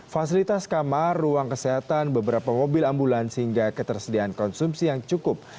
fasilitas kamar ruang kesehatan beberapa mobil ambulans hingga ketersediaan konsumsi yang cukup